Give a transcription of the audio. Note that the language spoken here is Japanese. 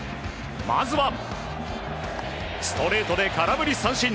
まずは、ストレートで空振り三振。